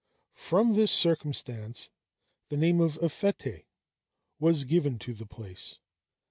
From this circumstance, the name of "Aphetæ" was given to the place.